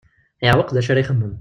Yeɛweq d acu ara ixemmem.